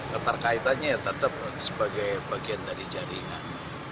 keterkaitannya ya tetap sebagai bagian dari jaringan